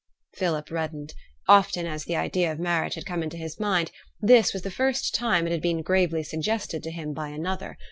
Philip reddened. Often as the idea of marriage had come into his mind, this was the first time it had been gravely suggested to him by another.